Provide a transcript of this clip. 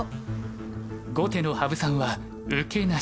後手の羽生さんは受けなし。